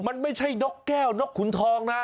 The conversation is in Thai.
มันไม่ใช่นกแก้วนกขุนทองนะ